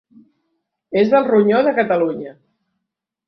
És del ronyó de Catalunya.